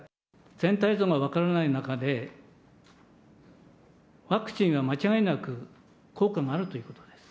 全体像が分からない中で、ワクチンは間違いなく効果があるということです。